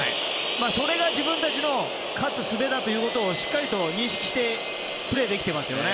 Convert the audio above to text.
それが自分たちの勝つ術だということを認識してプレーできていますよね。